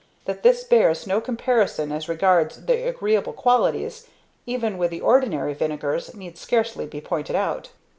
That this bears no comparison as regards the agreeable qualities, even with the ordinary vinegars, need scarcely be pointed out.